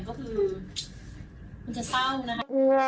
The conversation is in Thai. ก็คือมันจะเศร้านะคะ